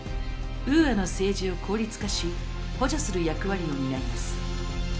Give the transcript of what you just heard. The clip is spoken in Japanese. ウーアの政治を効率化し補助する役割を担います。